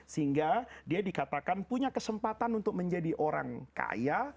sehingga dia dikatakan punya kesempatan untuk menjadi orang kaya